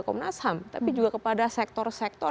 komnas ham tapi juga kepada sektor sektor